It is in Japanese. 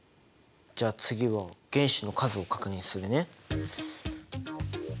じゃあ次は原子の数を確認するね。